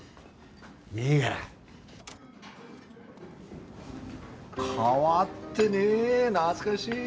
いいがら。変わってねえ懐かしい！